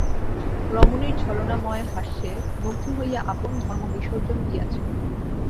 রমণীর ছলনাময় হাস্যে মুগ্ধ হইয়া আপন ধর্ম বিসর্জন দিয়াছ।